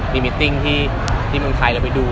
มีมิตติ้งที่เมืองไทยเราไปดู